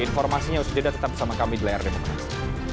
informasinya usul jeda tetap bersama kami di layar demokrasi